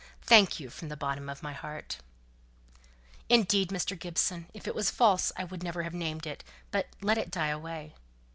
Thank you from the bottom of my heart." "Indeed, Mr. Gibson, if it was false I would never have named it, but let it die away."